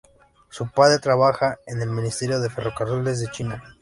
Su padre trabajaba en el ministerio de ferrocarriles de China.